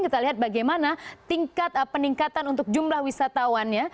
kita lihat bagaimana tingkat peningkatan untuk jumlah wisatawannya